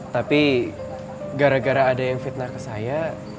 tapi gara gara ada yang fitnah ke saya